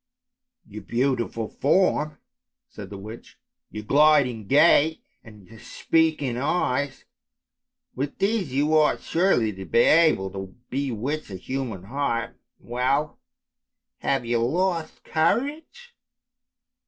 "" Your beautiful form," said the witch, " your gliding gait, and your speaking eyes, with these you ought surely to be able to bewitch a human heart. Well ! have you lost courage